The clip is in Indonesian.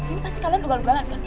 ini pasti kalian dugal dugalan kan